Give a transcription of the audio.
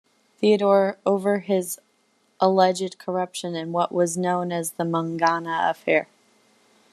Theodore over his alleged corruption in what was known as the Mungana affair.